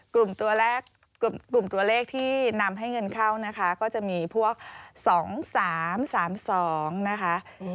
ตัวแรกกลุ่มตัวเลขที่นำให้เงินเข้านะคะก็จะมีพวก๒๓๓๒นะคะ